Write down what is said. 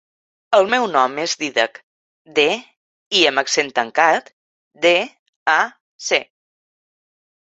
El meu nom és Dídac: de, i amb accent tancat, de, a, ce.